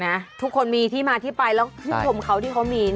ทุกคนมีที่มาที่ไปแล้วชื่นชมเขาที่เขามี